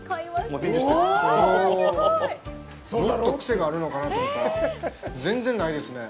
もっと癖があるのかなと思ったら全然ないですね。